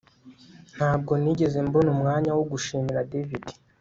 Ntabwo nigeze mbona umwanya wo gushimira David